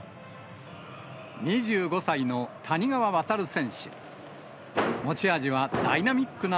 ２５歳の谷川航選手。